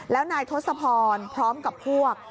แล้วนายทศพรพร้อมกับพวก